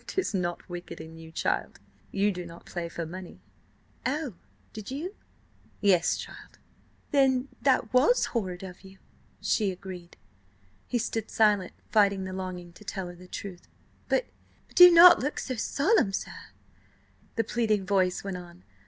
"'Tis not wicked in you, child. You do not play for money." "Oh, did you?" "Yes, child." "Then that was horrid of you," she agreed. He stood silent, fighting the longing to tell her the truth. "But–but–do not look so solemn, sir," the pleading voice went on.